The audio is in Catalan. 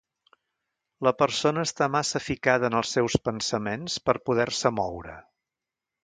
La persona està massa ficada en els seus pensaments per poder-se moure.